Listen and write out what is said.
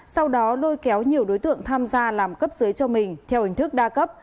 sau đó lôi kéo nhiều đối tượng tham gia làm cấp dưới cho mình theo hình thức đa cấp